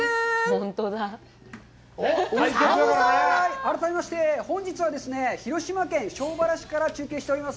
改めまして本日はですね、広島県庄原市から中継しております。